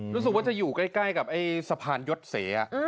รู้สึกว่าจะอยู่ใกล้กับสะพานยศเส